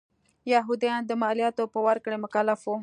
یهودیان د مالیاتو په ورکړې مکلف و.